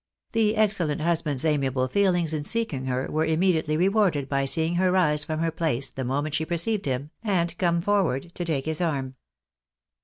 The excellent husband's amiable feelings in seeking her were imme diately rewarded by seeing her rise from her place the moment she perceived him, and come forward to take his arm.